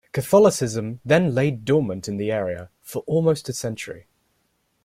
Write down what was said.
Catholicism then lay dormant in the area for almost a century.